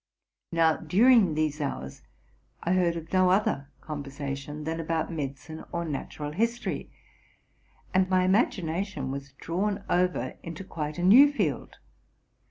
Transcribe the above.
Now, during these hours, I heard no other conver sation than about mediciné or natural history, and my imagi nation was drawn over into quite a new field.